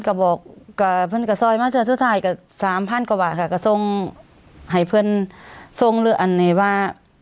ก็บอกกับเพื่อนกระซอยมาแต่สุดท้ายก็สามพันกว่าบาทค่ะก็ส่งให้เพื่อนทรงหรืออันนี้ว่า